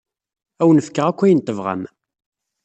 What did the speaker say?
Ad awen-fkeɣ akk ayen tebɣam.